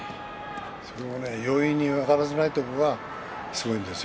それは、容易に分からせないところがすごいんですよ。